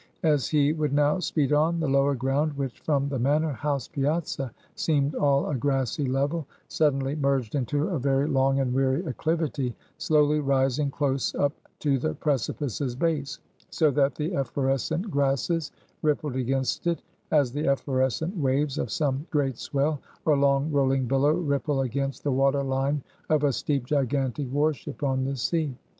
As he would now speed on, the lower ground, which from the manor house piazza seemed all a grassy level, suddenly merged into a very long and weary acclivity, slowly rising close up to the precipice's base; so that the efflorescent grasses rippled against it, as the efflorescent waves of some great swell or long rolling billow ripple against the water line of a steep gigantic war ship on the sea.